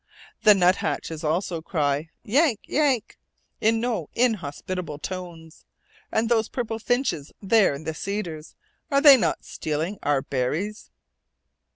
The nuthatches, also, cry "Yank! yank!" in no inhospitable tones; and those purple finches there in the cedars, are they not stealing our berries?